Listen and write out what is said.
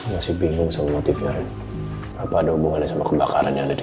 masih bingung sama motifnya apa ada hubungannya sama kebakaran yang ada di